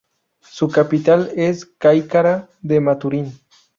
Su capital es Caicara de Maturín.